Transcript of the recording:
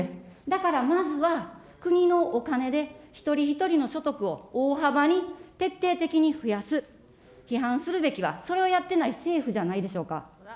だからまずは、国のお金で一人一人の所得を大幅に徹底的に増やす、批判するべきはそれをやってない政府じゃないでしょうか。